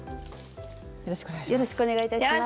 よろしくお願いします。